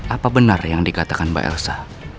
apa benar yang dikatakan mbak elsa